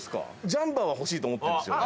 ジャンパーは欲しいと思ってるんですよね